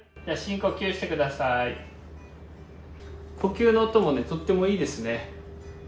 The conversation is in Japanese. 呼吸の音もね、とってもいいですね。